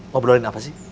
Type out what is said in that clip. mau berbualin apa sih